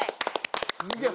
すげえ！